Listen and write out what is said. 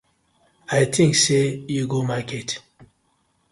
A tink sey you go market.